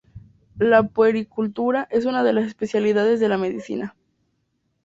La puericultura es una de las especialidades de la medicina.